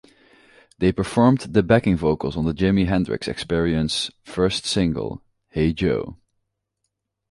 They performed the backing vocals on the Jimi Hendrix Experience's first single, "Hey Joe".